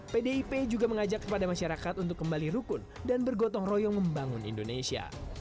pdip juga mengajak kepada masyarakat untuk kembali rukun dan bergotong royong membangun indonesia